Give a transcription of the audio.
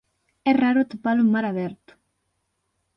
É raro atopalo en mar aberto.